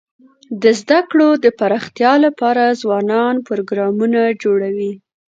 د زده کړو د پراختیا لپاره ځوانان پروګرامونه جوړوي.